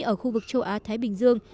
ở khu vực châu á thái bình dương